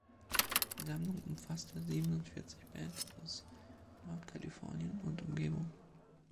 Die Sammlung umfasste siebenundvierzig Bands aus Nordkalifornien und Umgebung.